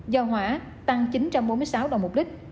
do hỏa tăng chín trăm bốn mươi sáu đồng một lít